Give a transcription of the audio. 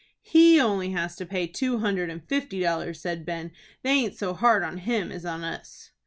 "He only has to pay two hundred and fifty dollars," said Ben. "They aint so hard on him as on us."